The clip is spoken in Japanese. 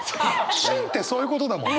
旬ってそういうことだもんね。